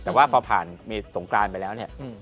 แต่ว่าพอผ่านมีสงกรานไปแล้วเนี่ย